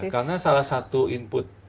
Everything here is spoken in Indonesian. karena salah satu input